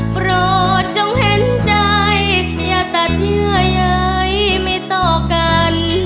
โปรดจงเห็นใจอย่าตัดเยื่อใยไม่ต่อกัน